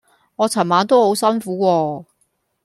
我尋晚都好辛苦喎